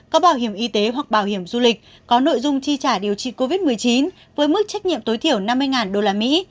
có bảo hiểm y tế hoặc bảo hiểm du lịch có nội dung chi trả điều trị covid một mươi chín với mức trách nhiệm tối thiểu năm mươi đô la mỹ